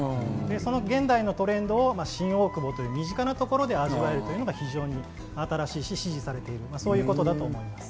現代のトレンドを新大久保という身近なところで味わえるというのが新しい、支持されているということだと思います。